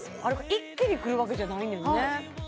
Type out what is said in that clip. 一気にくるわけじゃないねんね